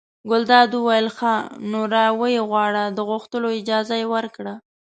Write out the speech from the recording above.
ګلداد وویل ښه! نو را ویې غواړه د غوښتلو اجازه یې ورکړه.